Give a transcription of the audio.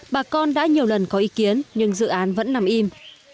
bà con đã nhiều lần có ý kiến nhưng dự án vẫn nằm im